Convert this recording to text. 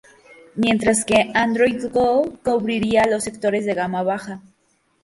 Mientras que Android Go cubriría los sectores de gama baja.